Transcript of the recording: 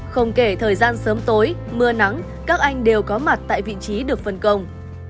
không kể thời gian sớm tối mưa nắng các anh đều có mặt tại vị trí được phân công